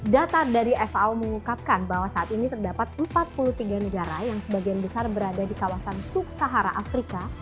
data dari fao mengungkapkan bahwa saat ini terdapat empat puluh tiga negara yang sebagian besar berada di kawasan subsahara afrika